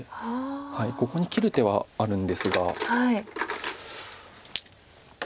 ここに切る手はあるんですが。